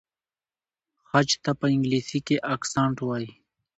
خج ته په انګلیسۍ کې اکسنټ وایي.